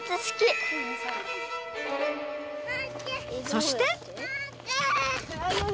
そして。